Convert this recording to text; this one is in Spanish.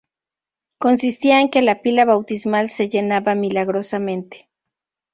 Consistía en que la pila bautismal se llenaba milagrosamente.